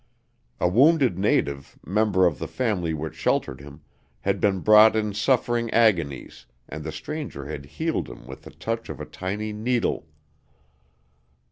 A wounded native, member of the family which sheltered him, had been brought in suffering agonies and the stranger had healed him with the touch of a tiny needle.